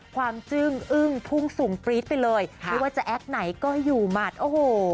จึ้งอึ้งพุ่งสูงปรี๊ดไปเลยไม่ว่าจะแอคไหนก็อยู่หมัดโอ้โห